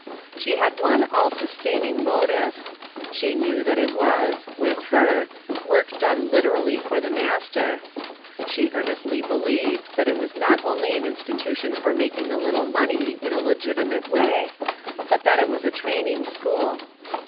She had one all sustaining motive ; she knew that it was, with her, work done literally for the Master. She earnestly believed that it was not only an institution for making a little money in a legitimate way, but that it was a training school.